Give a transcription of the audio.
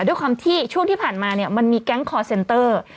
ด้วยความที่ช่วงที่ผ่านมาเนี่ยมันมีแก๊งคอร์เซนเตอร์